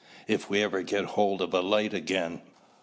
"If we ever get hold of a light again."